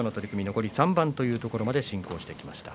残り３番というところまで進行してきました。